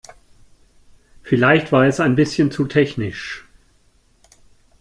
Vielleicht war es ein bisschen zu technisch.